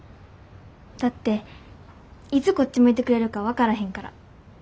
だっていつこっち向いてくれるか分からへんから。